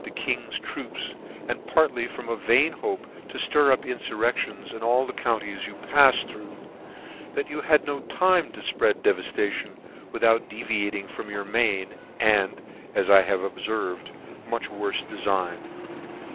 the king's troops, and partly from a vain hope to itir up infurrections in all the counties you patted through, that you hud not time to fpread devafta tion, without deviating from your main, and, as I have obferved, much j.'orle defign.